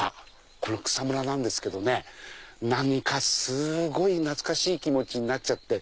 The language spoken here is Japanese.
この草むらなんですけどね何かすごい懐かしい気持ちになっちゃって。